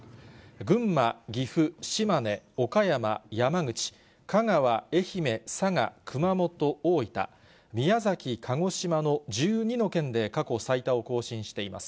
群馬、岐阜、島根、岡山、山口、香川、愛媛、佐賀、熊本、大分、宮崎、鹿児島の１２の県で過去最多を更新しています。